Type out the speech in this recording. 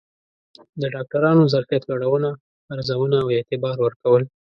د ډاکترانو ظرفیت لوړونه، ارزونه او اعتبار ورکول